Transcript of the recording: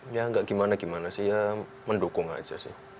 ya nggak gimana gimana sih ya mendukung aja sih